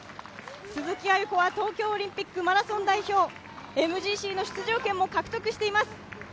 鈴木亜由子は東京オリンピックマラソン代表、ＭＧＣの出場権も獲得しています。